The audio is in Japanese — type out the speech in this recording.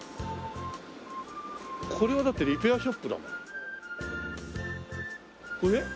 これはだってリペアショップだもん。